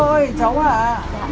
dạ vâng cháu cảm ơn ạ